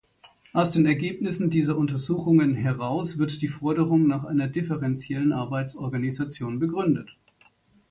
Aus den Ergebnissen dieser Untersuchungen heraus wird die Forderung nach einer "differentiellen Arbeitsorganisation" begründet.